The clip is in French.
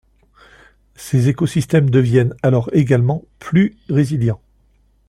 Ces écosystèmes deviennent alors également plus résilients.